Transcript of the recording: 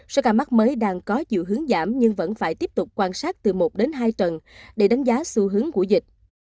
số ca mắc mới đang có chiều hướng giảm nhưng vẫn phải tiếp tục quan sát từ một đến hai tuần để đánh giá xu hướng của dịch